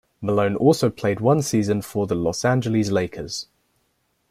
Malone also played one season for the Los Angeles Lakers.